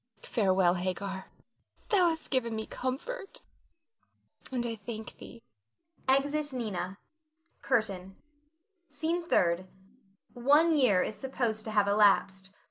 Farewell, Hagar, thou hast given me comfort and I thank thee. [Exit Nina. CURTAIN. SCENE THIRD. [_One year is supposed to have elapsed.